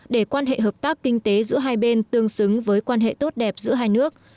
để quan hệ hợp tác kinh tế giữa hai bên tương xứng với quan hệ tốt đẹp giữa hai nước